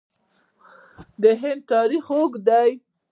د هند تاریخ اوږد دی.